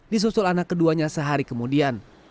disusul anak keduanya sehari kemudian